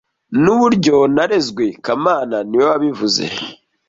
Nuburyo narezwe kamana niwe wabivuze